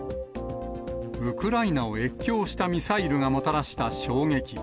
ウクライナを越境したミサイルがもたらした衝撃。